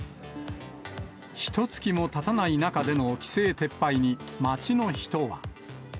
ひとつきもたたない中での規制撤廃に、街の人は。